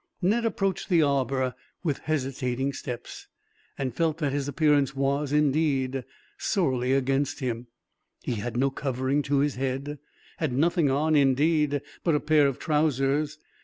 Ned approached the arbor with hesitating steps, and felt that his appearance was, indeed, sorely against him. He had no covering to his head, had nothing on, indeed, but a pair of trousers.